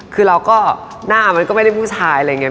คือเราก็หน้ามันก็ไม่ได้ผู้ชายอะไรอย่างนี้